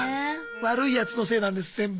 悪いやつのせいなんです全部。